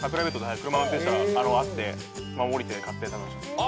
車運転してたらあって降りて買って食べました。